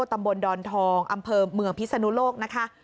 ตำบลดอนทองอำเภอเมืองพิศนุโลกนะคะ